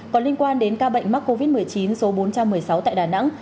có liên quan đến ca bệnh mắc covid một mươi chín số bốn trăm một mươi sáu tại đà nẵng